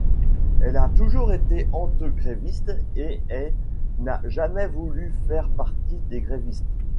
Elle a toujours été ante-gréviste et est n'a jamais voulu faire partie des grévistes.